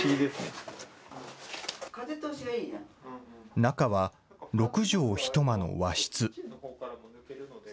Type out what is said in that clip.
中は６畳一間の和室。